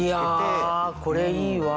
いやこれいいわ！